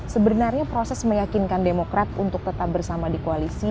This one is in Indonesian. sebenarnya proses meyakinkan demokrat untuk tetap bersama di koalisi